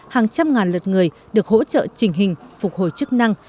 hàng trăm ngàn lượt người được hỗ trợ trình hình phục hồi chức năng